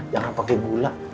jangan pakai gula